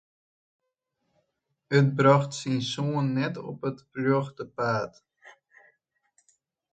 It brocht syn soan net op it rjochte paad.